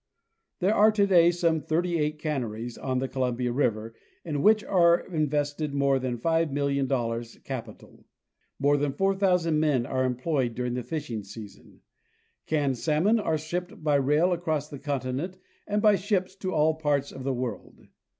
There are today some thirty eight canneries on Columbia river, in which are invested more than $5,000,000 capital. More than 4,000 men are employed during the fishing season. Canned salmon are shipped by rail across the continent and by ships to all parts of the world.